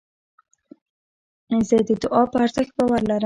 زه د دؤعا په ارزښت باور لرم.